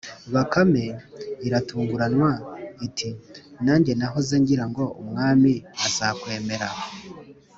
Bakame iratanguranwa iti: "Nanjye nahoze ngira ngo umwami azakwemera